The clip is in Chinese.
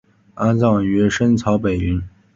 安葬于深草北陵。